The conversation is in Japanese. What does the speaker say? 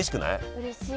うれしい。